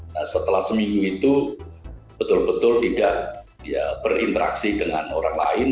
nah setelah seminggu itu betul betul tidak berinteraksi dengan orang lain